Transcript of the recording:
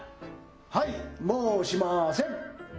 はいもうしません。